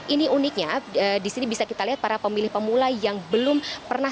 ini uniknya disini bisa kita lihat para pemilih pemula yang belum pernah